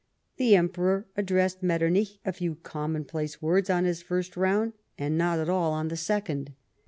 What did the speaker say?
The Emperor addressed Metternich a few commonplace words on his first round, and not at all on the second.